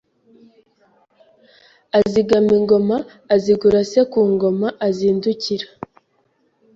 azigama ingoma azigura se ku ngoma azindukira